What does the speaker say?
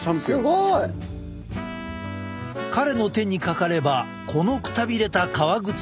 すごい！彼の手にかかればこのくたびれた革靴も。